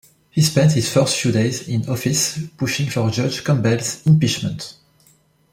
He spent his first few days in office pushing for Judge Campbell's impeachment.